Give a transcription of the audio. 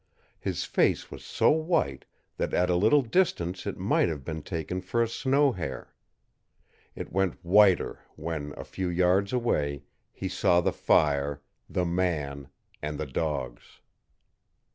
His face was so white that at a little distance it might have been taken for a snow hare. It went whiter when, a few yards away, he saw the fire, the man, and the dogs.